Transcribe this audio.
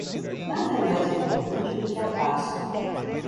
Nada é mais importante do que a paz.